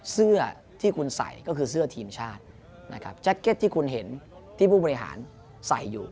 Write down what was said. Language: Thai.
เสื้อที่คุณใส่ก็คือเสื้อทีมชาตินะครับแจ็คเก็ตที่คุณเห็นที่ผู้บริหารใส่อยู่